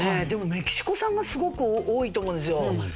でもメキシコ産がすごく多いと思うんですよ。